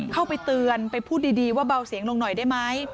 เข้าไปเตือนไปพูดดีว่าเบาเสียงลงหน่อยได้ไหม